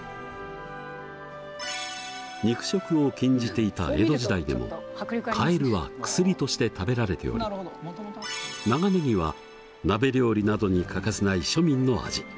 肉食を禁じていた江戸時代でもカエルは薬として食べられており長ねぎは鍋料理などに欠かせない庶民の味。